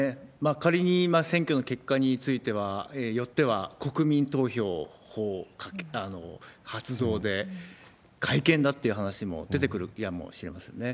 仮に、選挙の結果によっては、国民投票法発動で、改憲だっていう話も出てくるやもしれませんね。